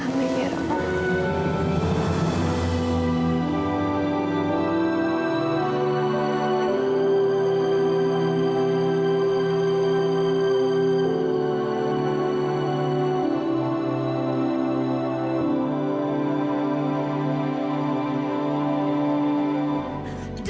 amin ya allah